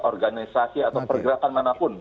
organisasi atau pergerakan manapun